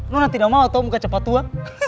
nona tidak mau tau muka cepat tua